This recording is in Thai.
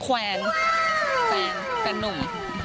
แขวนแฟนนุ่ม